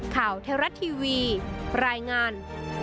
ข่าวเทราะทีวีรายงาน